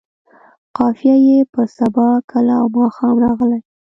قافیه یې په سبا، کله او ماښام راغلې.